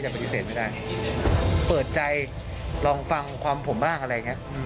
เปิดใจลองฟังความผมบ้างอะไรอย่างนี้